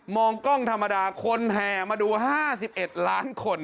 องกล้องธรรมดาคนแห่มาดู๕๑ล้านคน